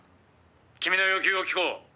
「君の要求を聞こう」